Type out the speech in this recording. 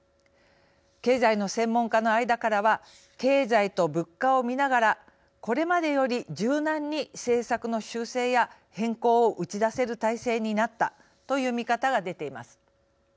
経済の専門家の間からは経済と物価をみながらこれまでより柔軟に政策の修正や変更を打ち出せる体制になったという見方が出ています。